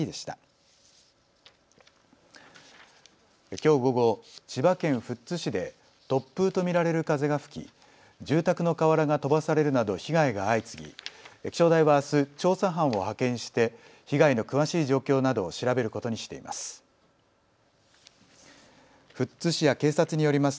きょう午後、千葉県富津市で突風と見られる風が吹き住宅の瓦が飛ばされるなど被害が相次ぎ気象台はあす調査班を派遣して被害の詳しい状況などを調べることにしています。